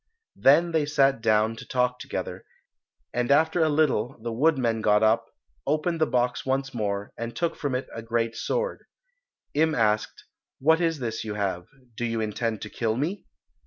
Then they sat down to talk together, and after a little the woodman got up, opened the box once more, and took from it a great sword. Im asked, "What is this you have; do you intend to kill me?"